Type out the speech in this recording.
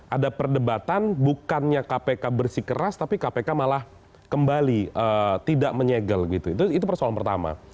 ada perdebatan bukannya kpk bersih keras tapi kpk malah kembali tidak menyegel gitu itu persoalan pertama